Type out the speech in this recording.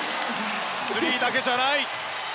スリーだけじゃない。